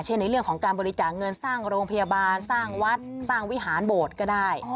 ในเรื่องของการบริจาคเงินสร้างโรงพยาบาลสร้างวัดสร้างวิหารโบสถ์ก็ได้